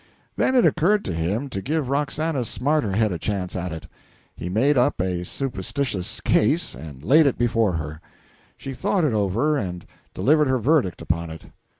Then it occurred to him to give Roxana's smarter head a chance at it. He made up a supposititious case, and laid it before her. She thought it over, and delivered her verdict upon it.